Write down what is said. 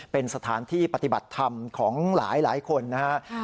เป็นสถานที่ปฏิบัติธรรมของหลายคนนะครับ